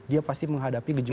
dia pasti menghadapi gejala